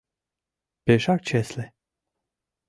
Пешак чесле.